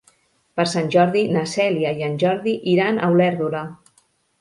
Per Sant Jordi na Cèlia i en Jordi iran a Olèrdola.